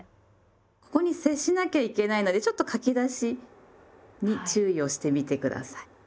ここに接しなきゃいけないのでちょっと書き出しに注意をしてみて下さい。